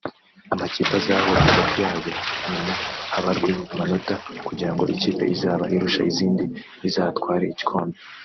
amakipe azahura hagati yayo nyuma habarwe amanota kugira ngo ikipe izaba irusha izindi izatware igikombe